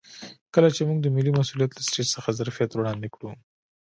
کله چې موږ د ملي مسوولیت له سټیج څخه ظرفیت وړاندې کړو.